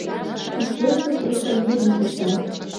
Кӱслезе тошто мурым шокта.